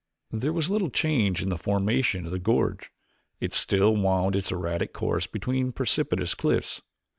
There was little change in the formation of the gorge; it still wound its erratic course between precipitous cliffs.